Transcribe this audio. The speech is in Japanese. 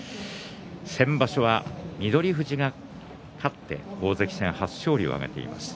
先場所は翠富士が勝って大関戦初勝利を挙げています。